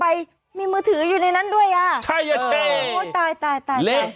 ไปมีมือถืออยู่ในนั้นด้วยอ่ะใช่อ่ะเช่โอ้ยตายตายตาย